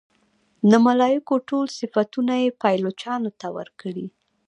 د ملایکو ټول صفتونه یې پایلوچانو ته ورکړي.